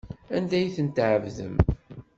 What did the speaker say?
Anda ay ten-tɛebdem?